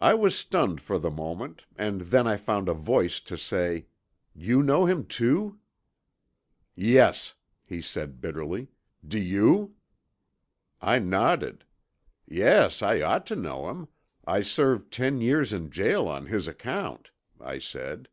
"I was stunned for the moment, and then I found voice to say, 'You know him, too?' "'Yes,' he said bitterly. 'Do you?' "I nodded. 'Yes, I ought to know him. I served ten years in jail on his account,' I said.